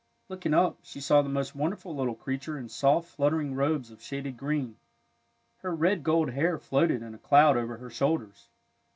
Looking up, she saw the most wonderful little creature in soft, fluttering robes of shaded green. Her red gold hair floated in a cloud over her shoulders.